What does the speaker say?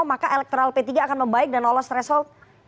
maka elektoral p tiga akan membaik dan lolos threshold